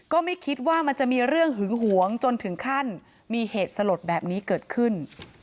ก็ไม่คิดว่ามันจะมีเรื่องหึงหวงจนถึงขั้นมีเหตุสลดแบบนี้เกิดขึ้น